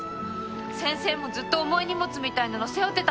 先生もずっと重い荷物みたいなの背負ってたんですよね？